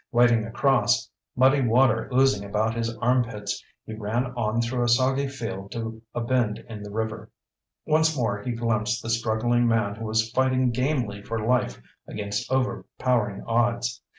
Wading across, muddy water oozing about his armpits, he ran on through a soggy field to a bend in the river. Once more he glimpsed the struggling man who was fighting gamely for life against overpowering odds.